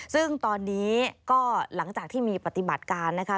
ซึ่งตอนนี้ก็หลังจากที่มีปฏิบัติการนะคะ